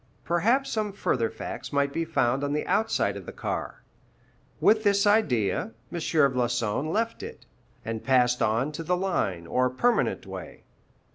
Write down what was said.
Perhaps some further facts might be found on the outside of the car. With this idea, M. Floçon left it, and passed on to the line or permanent way.